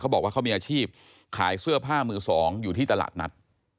บอกว่าเขามีอาชีพขายเสื้อผ้ามือสองอยู่ที่ตลาดนัด